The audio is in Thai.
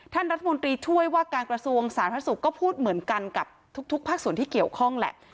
ท่านรัฐมนตรีช่วยว่าการกระทรวงสาธารณสุขก็พูดเหมือนกันกับทุกภาคส่วนที่เกี่ยวข้องแหละ